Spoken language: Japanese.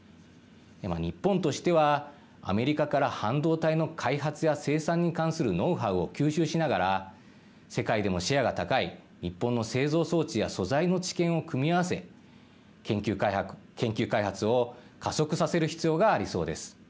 今、日本としてはアメリカから半導体の開発や生産に関するノウハウを吸収しながら世界でもシェアが高い日本の製造装置や素材の知見を組み合わせ研究開発を加速させる必要がありそうです。